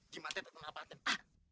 gimantan tetangga patent